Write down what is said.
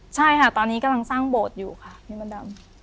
กำลังสร้างโบสถ์อยู่ค่ะพี่มดำ